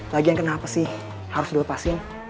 lagian kenapa sih harus dilepasin